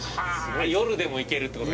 夜でもいけるって事か。